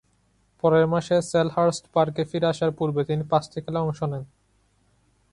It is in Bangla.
পরের মাসে সেলহার্স্ট পার্কে ফিরে আসার পূর্বে তিনি পাঁচটি খেলায় অংশ নেন।